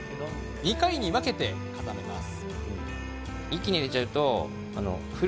２回に分けて固めます。